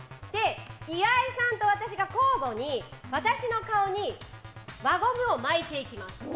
岩井さんと私が交互に、私の顔に輪ゴムを巻いていきます。